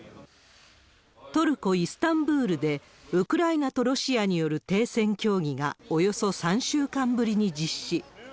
トルコ・イスタンブールで、ウクライナとロシアによる停戦協議が、およそ３週間ぶりに実施。